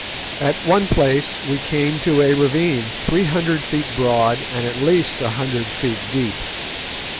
At one place we came to a ravine three hundred feet broad and at least a hundred feet deep.